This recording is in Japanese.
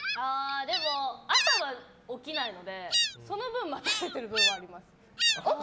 でも、朝は起きないのでその分待たせてる分はあります。